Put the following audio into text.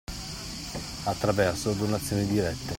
Attraverso donazioni dirette.